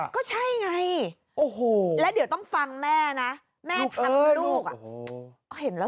ไงโอ้โหและเดี๋ยวต้องฟังแม่นะแม่ทั้งลูกอ่ะเห็นแล้ว